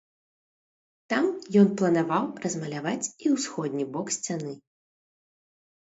Там ён планаваў размаляваць і ўсходні бок сцяны.